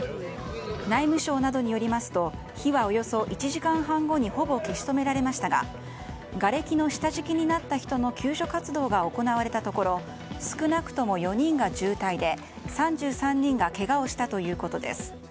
内務省などによりますと火はおよそ１時間半後にほぼ消し止められましたががれきの下敷きになった人の救助活動が行われたところ少なくとも４人が重体で３３人がけがをしたということです。